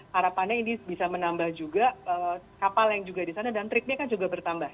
harapannya ini bisa menambah juga kapal yang juga di sana dan triknya kan juga bertambah